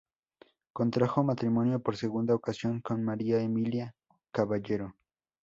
Contrajo matrimonio, por segunda ocasión, con María Emilia Caballero.